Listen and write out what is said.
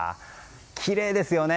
きれいですよね。